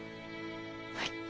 はい。